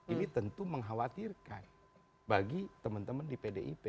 ini tentu mengkhawatirkan bagi teman teman di pdip